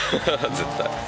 絶対。